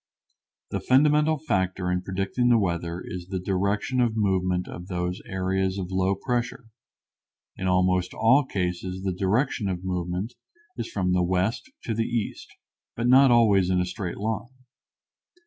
The fundamental factor in predicting the weather is the direction of movement of these areas of low pressure. In almost all cases the direction of movement is from the west to the east, but not always in a straight line.